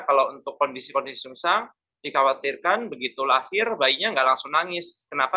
kalau untuk kondisi kondisi sumsang dikhawatirkan begitu lahir bayinya nggak langsung nangis kenapa